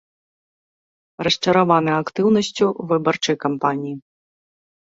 Расчараваны актыўнасцю выбарчай кампаніі.